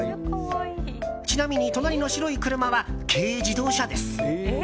ちなみに隣の白い車は軽自動車です。